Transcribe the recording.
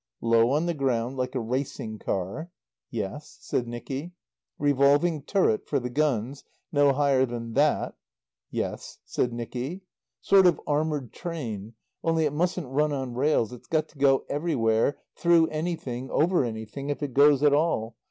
"Low on the ground like a racing car " "Yes," said Nicky. "Revolving turret for the guns no higher than that " "Yes," said Nicky. "Sort of armoured train. Only it mustn't run on rails. It's got to go everywhere, through anything, over anything, if it goes at all.